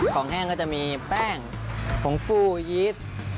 แห้งก็จะมีแป้งผงฟูยีส